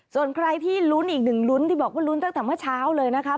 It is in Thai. ส่วนใครที่ลุ้นอีกหนึ่งลุ้นที่บอกว่าลุ้นตั้งแต่เมื่อเช้าเลยนะคะ